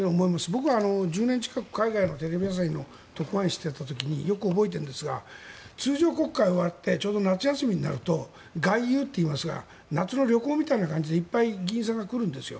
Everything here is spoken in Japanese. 僕は１０年近く海外のテレビ朝日の特派員をしていたのでよく覚えているんですが通常国会終わってちょうど夏休みになると外遊といいますが夏の旅行みたいな感じでいっぱい議員さんが来るんですよ。